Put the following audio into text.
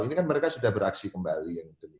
ini kan mereka sudah beraksi kembali